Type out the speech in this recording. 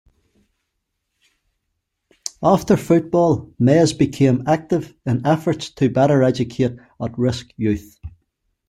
After football, Mayes became active in efforts to better educate at-risk youth.